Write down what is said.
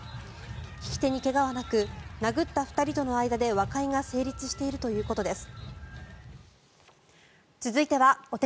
引き手に怪我はなく殴った２人との間で和解が成立しているということです。